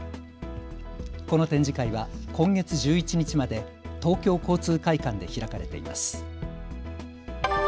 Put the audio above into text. この展示会は今月１１日まで東京交通会館で開かれています。